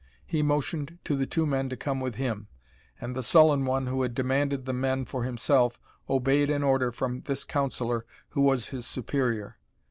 He motioned to the two men to come with him, and the sullen one who had demanded the men for himself obeyed an order from this councilor who was his superior.